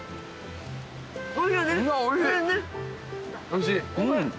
おいしい！